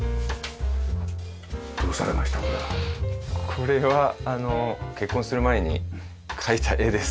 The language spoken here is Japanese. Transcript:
これは結婚する前に描いた絵です。